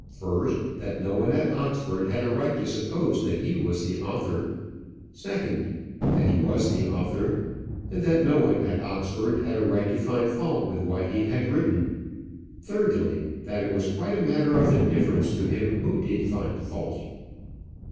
First, that no one at Oxford had a right to suppose that he was the author. Second, that he was the author, and that no one at Oxford had a right to find fault with what he had written. Thirdly, that it was quite a matter of indifference to him who did find fault.